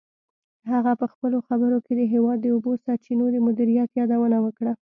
هغه په خپلو خبرو کې د هېواد د اوبو سرچینو د مدیریت یادونه وکړه.